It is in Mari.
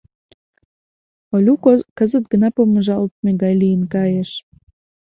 Олю кызыт гына помыжалтме гай лийын кайыш.